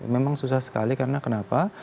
memang susah sekali karena kenapa